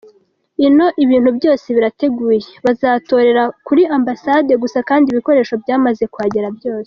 Ino ibintu byose birateguye, bazatorera kuri Ambasade gusa kandi ibikoresho byamaze kuhagera byose.